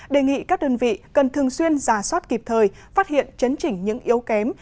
đề nghị các đơn vị cần thường xuyên giả soát kịp thời phát hiện chấn chỉnh những yếu kém